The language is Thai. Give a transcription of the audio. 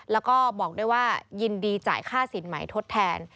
แล้วก็บอกด้วยว่ายินดีจ่ายค่าสินใหม่ทดแทน